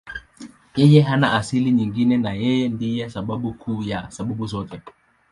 Yeye hana asili nyingine na Yeye ndiye sababu kuu ya sababu zote.